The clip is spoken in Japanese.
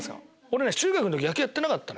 俺中学の時野球やってなかった。